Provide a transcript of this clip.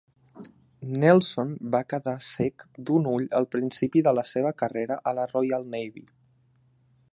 Nelson va quedar cec d'un ull al principi de la seva carrera a la Royal Navy.